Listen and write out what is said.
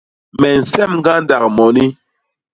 Me nsem ñgandak moni.